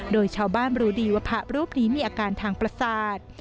โดยชาวบ้านรู้ดีว่าพระรูปนี้มีอาการทางประสาท